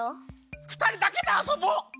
ふたりだけであそぼう！